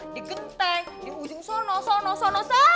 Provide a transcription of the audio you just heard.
di genteng di ujung sono sono sono